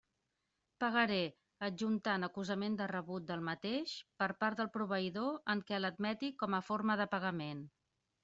Pagaré, adjuntant acusament de rebut del mateix per part del proveïdor en què l'admeti com a forma de pagament.